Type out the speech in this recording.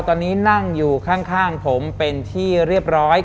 ตอนนี้นั่งอยู่ข้างผมเป็นที่เรียบร้อย